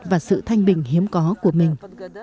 và sự thanh bình hiếm có của mình